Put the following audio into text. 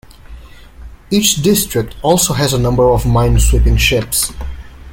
Each district also has a number of minesweeping ships.